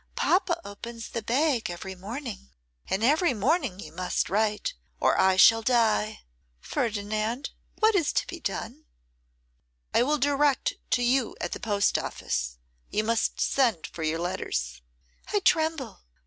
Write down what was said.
'Papa opens the bag every morning, and every morning you must write, or I shall die. Ferdinand, what is to be done'?' 'I will direct to you at the post office. You must send for your letters.' 'I tremble.